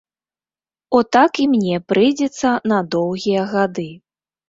От так і мне прыйдзецца на доўгія гады.